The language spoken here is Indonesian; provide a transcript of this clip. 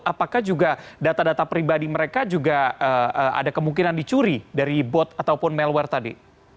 apakah juga data data pribadi mereka juga ada kemungkinan dicuri dari bot ataupun malware tadi